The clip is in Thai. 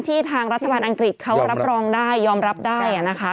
ทางรัฐบาลอังกฤษเขารับรองได้ยอมรับได้นะคะ